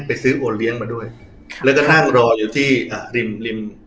ไปซื้อโอเลี้ยงมาด้วยค่ะแล้วก็นั่งรออยู่ที่ริมริม